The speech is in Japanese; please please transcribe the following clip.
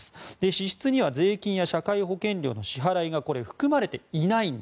支出には税金や社会保険料の支払いが含まれていません。